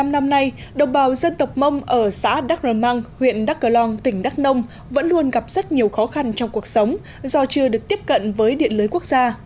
bảy mươi năm năm nay đồng bào dân tộc mông ở xã đắk rơ măng huyện đắc cờ long tỉnh đắk nông vẫn luôn gặp rất nhiều khó khăn trong cuộc sống do chưa được tiếp cận với điện lưới quốc gia